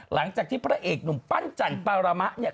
หลังจากที่พระเอกผู้ชายปั้นชันปามะ